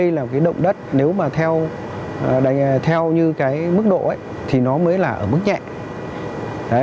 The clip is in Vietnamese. đây là cái động đất nếu mà theo như cái mức độ ấy thì nó mới là ở mức nhẹ